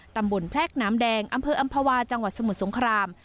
แพรกน้ำแดงอำเภออำภาวาจังหวัดสมุทรสงคราม